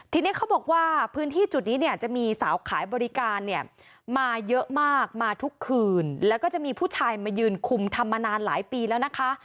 ทีนี้เขาบอกว่าพื้นที่จุดนี้เนี่ยจะมีสาวขายบริการเนี่ยมาเยอะมากมาทุกคืนแล้วก็จะมีผู้ชายมายืนคุมทำมานานหลายปีแล้วนะคะ